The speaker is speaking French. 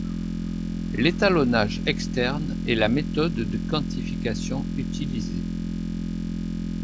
L’étalonnage externe est la méthode de quantification utilisée.